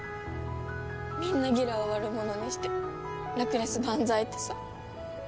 みんなギラを悪者にしてラクレスバンザイってさ。